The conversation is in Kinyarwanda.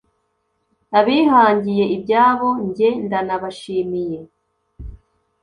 Abihangiye ibyabo njye ndanabashimiye